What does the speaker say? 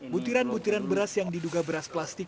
butiran butiran beras yang diduga beras plastik